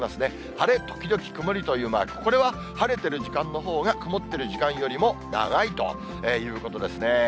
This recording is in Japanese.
晴れ時々曇りというマーク、これは晴れてる時間のほうが曇ってる時間よりも長いということですね。